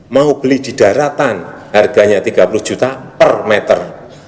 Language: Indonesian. mau beli di daratan harganya tiga puluh juta per meter